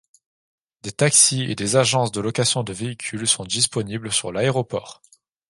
Des taxis et des agences de location de véhicules sont disponibles sur l'aéroport.